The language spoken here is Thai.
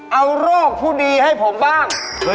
เอาโรคผู้ดีให้ผมบ้าง